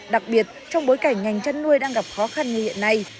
đặc biệt trong bối cảnh ngành chăn nuôi đang gặp khó khăn như hiện nay